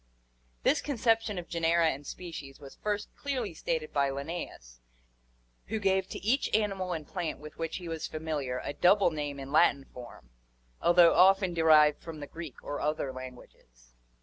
This conception of genera and species was first clearly stated by Linnaeus (page 8), who gave to each animal and plant with which he was familiar a double name in Latin form, although often de rived from the Greek or other languages.